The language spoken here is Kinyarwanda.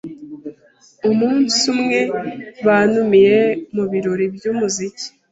umunsi umwe bantumiye mu birori by’umuziki